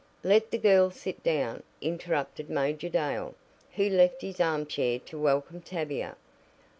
"Let the girl sit down," interrupted Major Dale, who left his armchair to welcome Tavia.